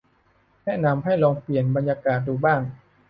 แนะนำให้ลองเปลี่ยนบรรยากาศดูบ้าง